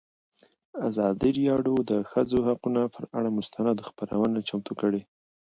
ازادي راډیو د د ښځو حقونه پر اړه مستند خپرونه چمتو کړې.